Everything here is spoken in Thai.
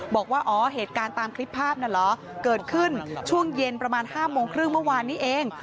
บอกว่าอ๋อเหตุการณ์ตามคลิปภาพน่ะเหรอเกิดขึ้นช่วงเย็นประมาณ๕โมงครึ่งเมื่อวานนี้เอง